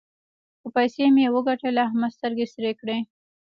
څو پيسې مې وګټلې؛ احمد سترګې سرې کړې.